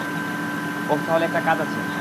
ওহ, তাহলে একটা কাজ আছে।